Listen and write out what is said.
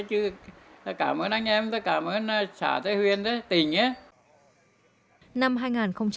chứ cảm ơn anh em cảm ơn xã thái huyền tỉnh